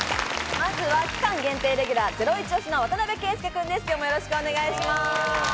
まずは期間限定レギュラー、ゼロイチ推しの渡邊圭祐君です。